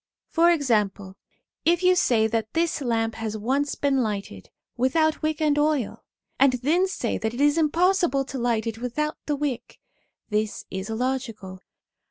For example, if you say that this lamp has once been lighted without wick and oil, and then say that it is impossible to light it without the wick, this is illogical.'